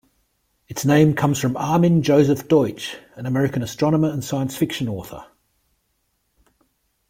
Its name comes from Armin Joseph Deutsch, an American astronomer and science-fiction author.